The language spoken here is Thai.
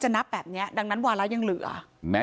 จะนับแบบนี้ดังนั้นว่าแล้วยังเหลือแม้จะมีผู้บอกว่าโหก็